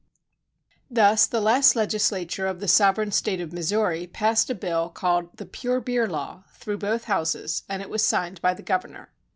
Thus the last legislature of the sovereign State of Missouri passed a bill called the Pure Beer Law " through both houses, and it was signed by the governor.